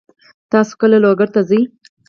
تاسو کله لوګر ته ځئ؟